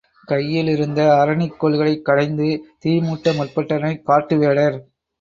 கையிலிருந்த அரணிக் கோல்களைக் கடைந்து தீ மூட்ட முற்பட்டனர் காட்டு வேடர்.